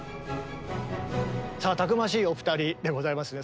さあたくましいお二人でございますね。